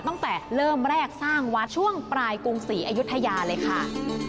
ตั้งแต่เริ่มแรกสร้างวัดช่วงปลายกรุงศรีอยุธยาเลยค่ะ